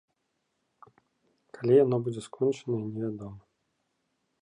Калі яно будзе скончанае, невядома.